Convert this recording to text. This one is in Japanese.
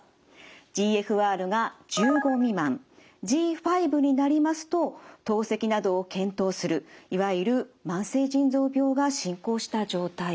ＧＦＲが１５未満Ｇ５になりますと透析などを検討するいわゆる慢性腎臓病が進行した状態です。